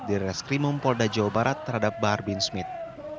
di reskrimum polda jawa barat terhadap bahar bin smith